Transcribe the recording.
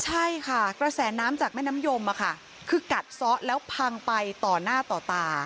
ใช่ค่ะกระแสน้ำจากแม่น้ำยมคือกัดซ้อแล้วพังไปต่อหน้าต่อตา